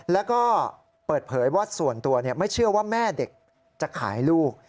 แล้วก็เปิดเผยว่าส่วนตัวไม่เชื่อว่าแม่เด็กจะขายลูก